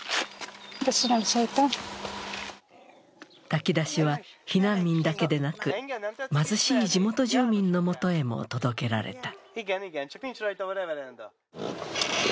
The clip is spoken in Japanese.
炊き出しは避難民だけでなく、貧しい地元住民のもとへも届けられた。